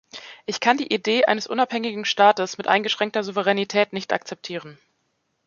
Ich kann die Idee eines unabhängigen Staates mit eingeschränkter Souveränität nicht akzeptieren.